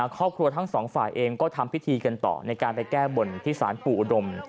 ครอบครัวทั้งสองฝ่ายเองก็ทำพิธีกันต่อในการไปแก้บนที่สารปู่อุดม